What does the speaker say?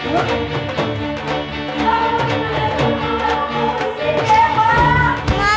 mama jangan lakukan apa apa iman